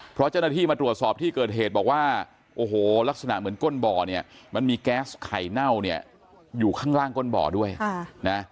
เพราะเจ้าหน้าที่มาตรวจสอบที่เกิดเหตุบอกว่าโอ้โหลักษณะเหมือนก้นบ่อเนี่ยมันมีแก๊สไข่เน่าเนี่ยอยู่ข้างล่างก้นบ่อด้วยนะ